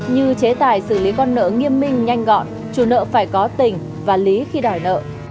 như chế tài xử lý con nợ nghiêm minh nhanh gọn chủ nợ phải có tình và lý khi đòi nợ